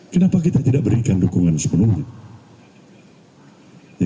kenapa kita tidak berikan dukungan sepenuhnya